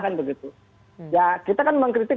kan begitu ya kita kan mengkritik